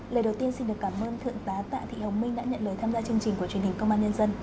lời đầu tiên xin được cảm ơn thượng tá tạ thị hồng minh đã nhận lời tham gia chương trình của truyền hình công an nhân dân